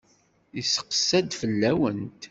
Yesseqsa-d fell-awent.